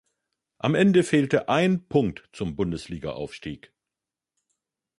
Am Ende fehlte ein Punkt zum Bundesligaaufstieg.